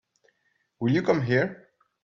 Will you come here?